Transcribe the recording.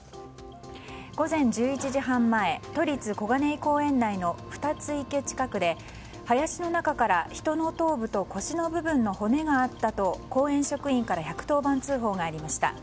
午前１１時半前都立小金井公園内のふたつ池近くで林の中から人の頭部と腰の部分の骨があったと公園職員から１１０番通報がありました。